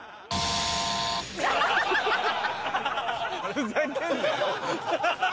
ふざけんなよ。